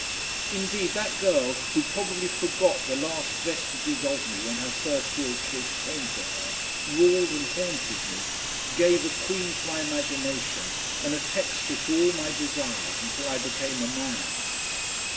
Indeed that girl, who probably forgot the last vestiges of me when her first real kiss came to her, ruled and haunted me, gave a Queen to my imagination and a texture to all my desires until I became a man.